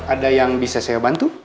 ada yang bisa saya bantu